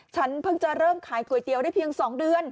ฉันเพิ่งจะเริ่มขายก๋วยเตี๋ยวได้เพียง๒เดือน